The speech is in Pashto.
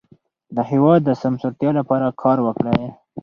د هېواد د سمسورتیا لپاره کار وکړئ.